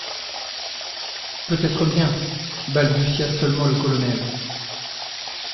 «Peut-être bien …,» balbutia seulement le colonel.